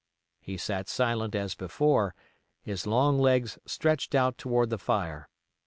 He sat silent as before, his long legs stretched out toward the fire.